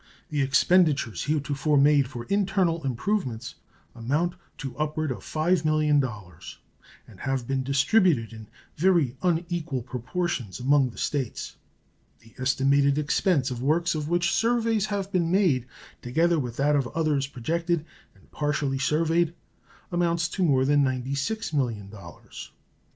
The expenditures heretofore made for internal improvements amount to upward of $5 millions, and have been distributed in very unequal proportions amongst the States. The estimated expense of works of which surveys have been made, together with that of others projected and partially surveyed, amounts to more than $96 millions.